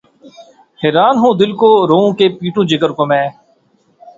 حیراں ہوں‘ دل کو روؤں کہ‘ پیٹوں جگر کو میں